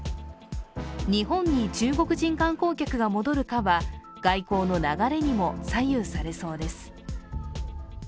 日本に中国人観光客が戻るかは外交の流れにも左右されそうです。